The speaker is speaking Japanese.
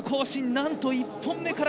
なんと１本目から！